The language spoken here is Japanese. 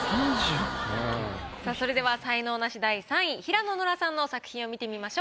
さあそれでは才能ナシ第３位平野ノラさんの作品を見てみましょう。